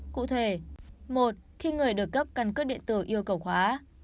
cụ thể một khi người được cấp căn cước điện tử yêu cầu khóa